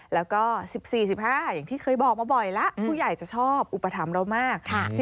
แล้วก็๑๔๑๕อย่างที่เคยบอกมาบ่อยแล้วผู้ใหญ่จะชอบอุปถัมภ์เรามาก